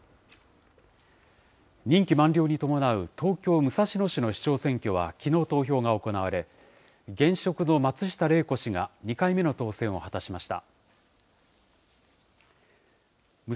任期満了に伴う東京・武蔵野市の市長選挙はきのう投票が行われ、現職の松下玲子氏が２回目の当選を果たしました。